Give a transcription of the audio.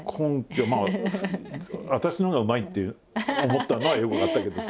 まあ私のほうがうまいって思ったのはよく分かったけどさ。